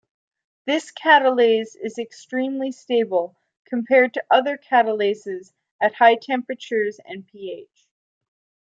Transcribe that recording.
This catalase is extremely stable compared to other catalases at high temperatures and pH.